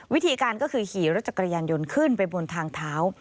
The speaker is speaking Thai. วิธีการก็คือขี่รถจักรยานยนต์ขึ้นไปบนทางเท้า